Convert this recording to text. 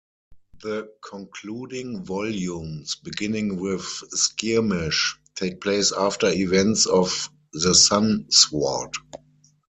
The concluding volumes, beginning with "Skirmish", take place after events of "The Sun Sword".